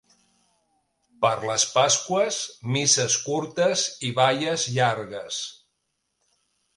Per les Pasqües, misses curtes i balles llargues.